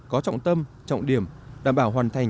có trọng tâm trọng điểm đảm bảo hoàn thành